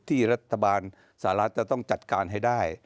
ที่รัฐบาลสหรัฐจะต้องจัดการให้ได้